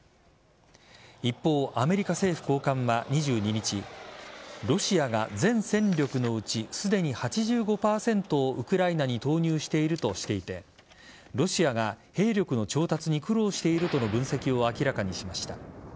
一方、アメリカ政府高官は２２日ロシアが全戦力のうちすでに８５％をウクライナに投入しているとしていてロシアが兵力の調達に苦労しているとの分析を明らかにしました。